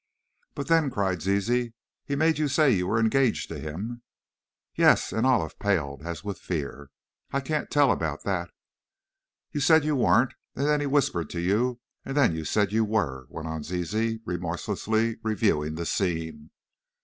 "But then," cried Zizi, "he made you say you were engaged to him " "Yes," and Olive paled as with fear. "I can't tell about that " "You said you weren't, and then he whispered to you, and then you said you were," went on Zizi, remorselessly reviewing the scene.